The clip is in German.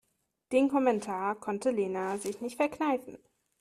Den Kommentar konnte Lena sich nicht verkneifen.